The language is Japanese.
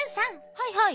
はいはい。